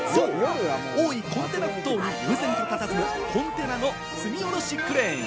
大井コンテナ埠頭に悠然とたたずむコンテナの積み下ろしクレーン。